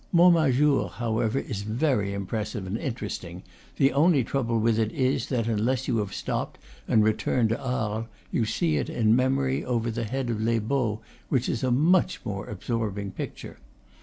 Montmajour, however, is very impressive and interesting; the only trouble with it is that, unless you have stopped and retumed to Arles, you see it in memory over the head of Les Baux, which is a much more absorbing picture.